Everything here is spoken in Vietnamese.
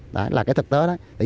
đấy là cái thực tế đó